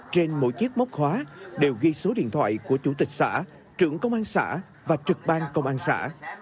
trên mỗi chiếc móc khóa đều ghi số điện thoại của chủ tịch xã trưởng công an xã và trực ban công an xã